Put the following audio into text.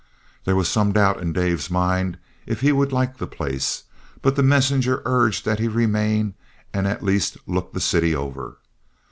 There was some doubt in Dave's mind if he would like the place, but the messenger urged that he remain and at least look the city over.